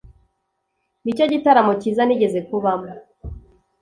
Nicyo gitaramo cyiza nigeze kubamo